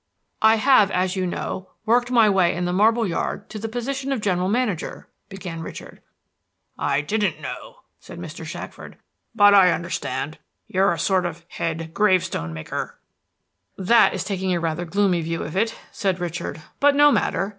"I have, as you know, worked my way in the marble yard to the position of general manager," began Richard. "I didn't know," said Mr. Shackford, "but I understand. You're a sort of head grave stone maker." "That is taking a rather gloomy view of it," said Richard, "but no matter.